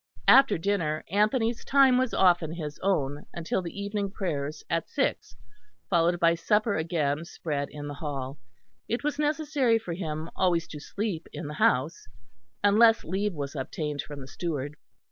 After dinner Anthony's time was often his own, until the evening prayers at six, followed by supper again spread in the hall. It was necessary for him always to sleep in the house, unless leave was obtained from the steward.